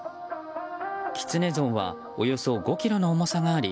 キツネ像はおよそ５ｋｇの重さがあり